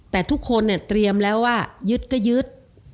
แต่ทุกคนเนี่ยเตรียมแล้วว่ายึดก็ยึด